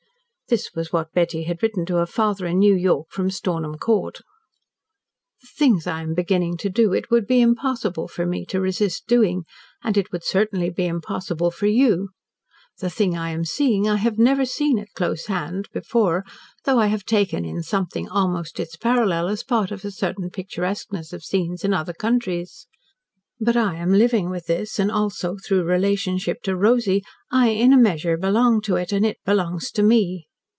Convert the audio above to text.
This was what Betty had written to her father in New York from Stornham Court. "The things I am beginning to do, it would be impossible for me to resist doing, and it would certainly be impossible for you. The thing I am seeing I have never seen, at close hand, before, though I have taken in something almost its parallel as part of certain picturesqueness of scenes in other countries. But I am LIVING with this and also, through relationship to Rosy, I, in a measure, belong to it, and it belongs to me.